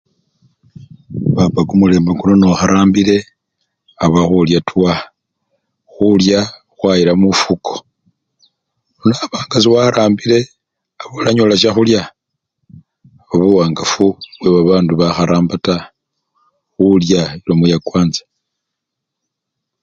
Papa kumulembe kuno nokharambile, aba khulya twa, khulya khwayila mufuko, nono banga sewarambile abasonanyola shakhulya. obwo nibwo buwangafu bwe babandu bakharamba taa khulya elomo yakwansa.